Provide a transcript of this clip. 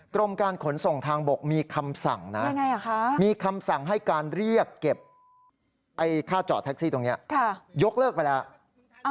กรมการขนส่งทางบกมีคำสั่งนะมีคำสั่งให้การเรียกเก็บค่าจอดแท็กซี่ตรงนี้ยกเลิกไปแล้ว